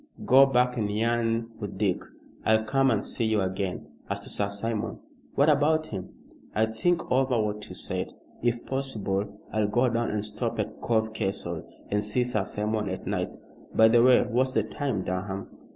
Go back and yarn with Dick, I'll come and see you again. As to Sir Simon " "What about him?" "I'll think over what you said. If possible I'll go down and stop at Cove Castle, and see Sir Simon at night. By the way, what's the time, Durham?"